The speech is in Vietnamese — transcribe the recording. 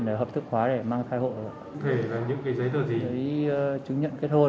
để hợp thức hóa để mang thai hộ giấy chứng nhận kết hôn ạ